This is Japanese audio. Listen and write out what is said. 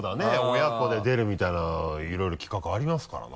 親子で出るみたいないろいろ企画ありますからな。